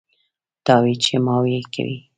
تاوې چې ماوې کوي.